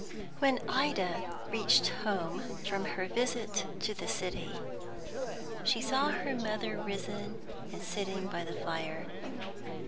When Ida reached home from her visit to the City, she saw her mother risen and sitting by the fire.